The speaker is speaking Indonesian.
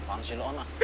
apaan sih lu ono